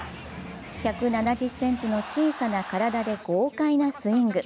１７０ｃｍの小さな体で豪快なスイング。